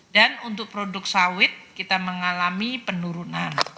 dan untuk produk sawit kita mengalami penurunan